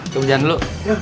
kau berjalan dulu